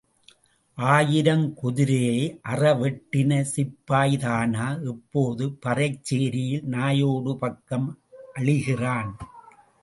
ஆயிரம் குதிரையை அற வெட்டின சிப்பாய்தானா இப்போது பறைச் சேரியில் நாயோடு பங்கம் அழிகிறான்?